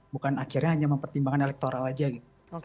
bukan akhirnya hanya mempertimbangkan elektoral aja gitu